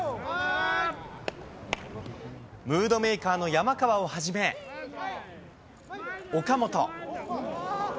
ムードメーカーの山川をはじめ、岡本。